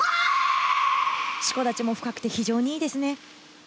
しこ立ちも深くて非常にいいですね。